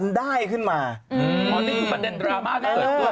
อ๋อนี่คือประเด็นดราม่าที่เกิดขึ้น